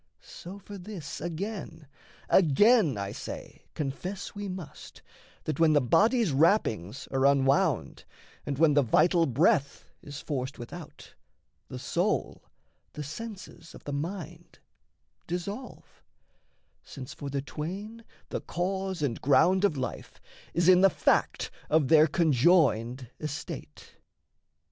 So for this, Again, again, I say confess we must, That, when the body's wrappings are unwound, And when the vital breath is forced without, The soul, the senses of the mind dissolve, Since for the twain the cause and ground of life Is in the fact of their conjoined estate.